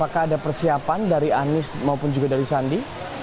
kasiapan dari anies maupun juga dari sandi